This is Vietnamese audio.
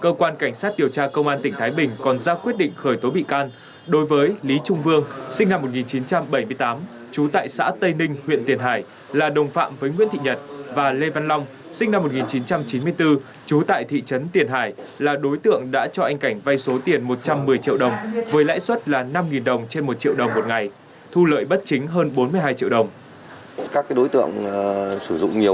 cơ quan cảnh sát điều tra công an tỉnh thái bình còn ra quyết định khởi tố vụ án khởi tố bị can và lệnh bắt tạm giam đối với nguyễn thị nhật về hành vi cho vay lãi nặng trong giao dịch dân sự